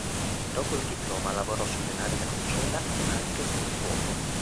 Dopo il diploma lavorò sulle navi da crociera, anche come cuoco.